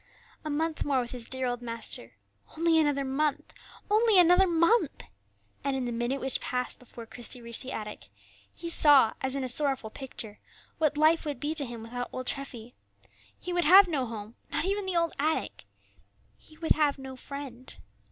A month more with his dear old master, only another month, only another month. And in the minute which passed before Christie reached the attic, he saw, as in a sorrowful picture, what life would be to him without old Treffy. He would have no home, not even the old attic; he would have no friend.